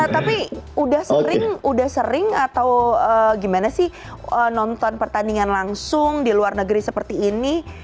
tapi udah sering udah sering atau gimana sih nonton pertandingan langsung di luar negeri seperti ini